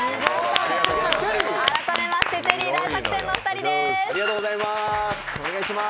改めましてチェリー大作戦のお二人です。